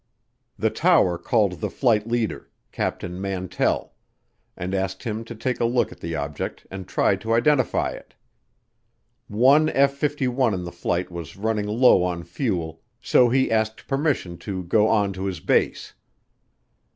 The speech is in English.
The tower called the flight leader, Captain Mantell, and asked him to take a look at the object and try to identify it. One F 51 in the flight was running low on fuel, so he asked permission to go on to his base.